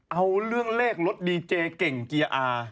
เอาเรื่องเลขรถดีเจเก่งเกียร์อา